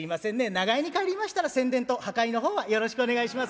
長屋に帰りましたら宣伝と破壊の方はよろしくお願いします」。